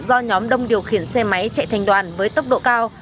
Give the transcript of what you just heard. do nhóm đông điều khiển xe máy chạy thành đoàn với tốc độ cao